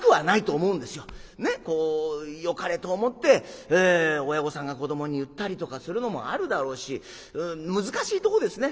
ねっよかれと思って親御さんが子どもに言ったりとかするのもあるだろうし難しいとこですね。